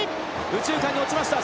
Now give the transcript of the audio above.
右中間に落ちました。